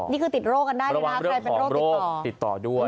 นี่คือติดโรคกันได้นะคะใครเป็นโรคติดต่อ